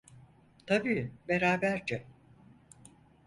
Tabii beraberce.